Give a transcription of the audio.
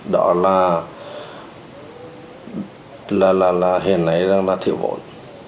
đó là hiện nay là thiệu vốn